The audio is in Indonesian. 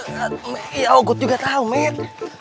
ya aku juga tahu med